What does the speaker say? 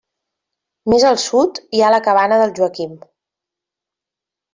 Més al sud hi ha la Cabana del Joaquim.